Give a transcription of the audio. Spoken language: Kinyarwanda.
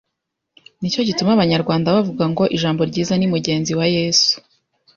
nicyo gituma Abanyarwanda bavuga ngo Ijambo ryiza ni mugenzi w’Yesu